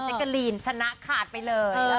เจ๊กะรีนฉะนั้นขาดไปเลย